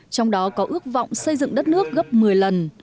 trong đó có ước vọng xây dựng đất nước gấp một mươi lần